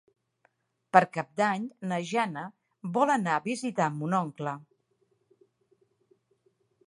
Per Cap d'Any na Jana vol anar a visitar mon oncle.